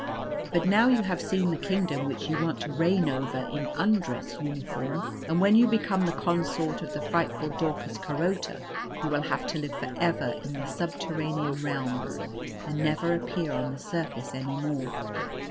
But now you have seen the kingdom which you want to reign over in undress uniform; and when you become the consort of the frightful Daucus Carota you will have to live for ever in the subterranean realms, and never appear on the surface any more.